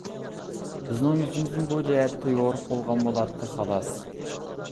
بىزنىڭ يۈزىمىزمۇ بۇ جەھەتتە يورۇق بولغان بولاتتى، خالاس.